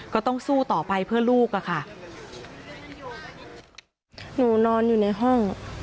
ก็ต้องสู้ต่อไปเพื่อลูกอะค่ะหนูนอนอยู่ในห้อง